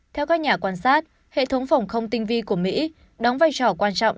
theo các nhà quan sát hệ thống phòng không tinh vi của mỹ đóng vai trò quan trọng